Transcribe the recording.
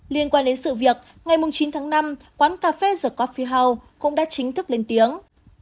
liên quan đến sự việc ngày chín tháng năm quán cà phê the cophi house cũng đã chính thức lên tiếng